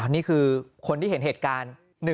นี่คือคนที่เห็นเหตุการณ์